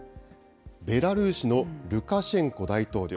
ベラルーシのルカシェンコ大統領。